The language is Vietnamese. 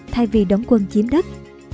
thay vì đóng quân chiếm đất